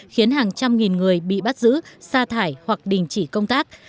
khiến hàng trăm nghìn người bị bắt giữ xa thải hoặc đình chỉ công tác